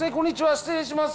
失礼します。